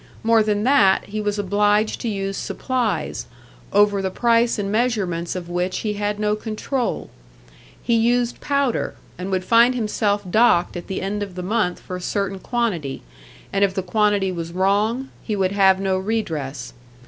More than that, he was obliged to use supplies, over the price and measurements of which he had no control. He used powder, and would find himself docked at the end of the month for a certain quantity, and if the quantity was wrong, he would have no redress.